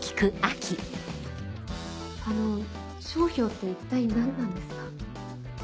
あの商標って一体何なんですか？